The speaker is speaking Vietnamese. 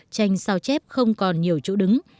tranh sao chép không còn nhiều chỗ đứng